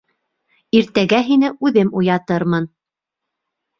Иртәгә һине үҙем уятырмын.